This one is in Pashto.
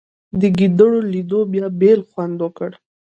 د ګېډړو لیدو بیا بېل خوند وکړ.